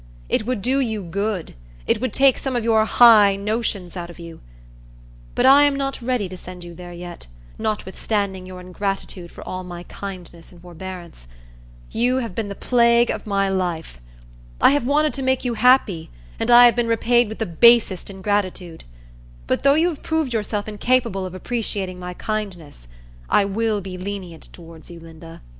It would do you good. It would take some of your high notions out of you. But I am not ready to send you there yet, notwithstanding your ingratitude for all my kindness and forbearance. You have been the plague of my life. I have wanted to make you happy, and I have been repaid with the basest ingratitude; but though you have proved yourself incapable of appreciating my kindness, I will be lenient towards you, Linda.